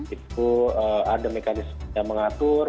itu ada mekanisme yang mengatur